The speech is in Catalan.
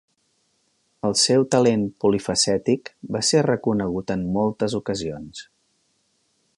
El seu talent polifacètic va ser reconegut en moltes ocasions.